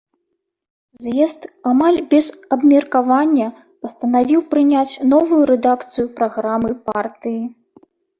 З'езд амаль без абмеркавання пастанавіў прыняць новую рэдакцыю праграмы партыі.